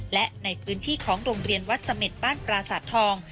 และในพื้นที่ของโรงเรียนวัดสเมษบ้านกราศาสตร์ทอง